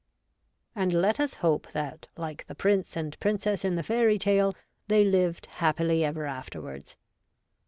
And let us hope that, like the Prince and Princess in the fairy tale, they lived happily ever afterwards.